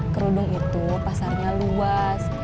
kerudung itu pasarnya luas